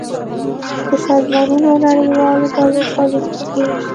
د سازمانونو او نړیوالو ډلو په ليکو کې